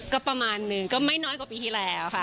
ก็ประมาณนึงก็ไม่น้อยกว่าปีที่แล้วค่ะ